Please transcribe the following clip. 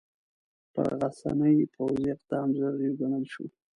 پر غساني پوځي اقدام ضروري وګڼل شو.